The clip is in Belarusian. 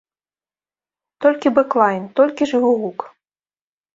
Толькі бэклайн, толькі жывы гук!